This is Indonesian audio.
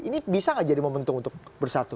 ini bisa nggak jadi momentum untuk bersatu